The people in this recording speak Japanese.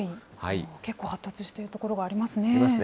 結構発達している所がありますね。